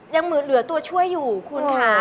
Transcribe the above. ยังเหลือตัวช่วยอยู่คุณค่ะ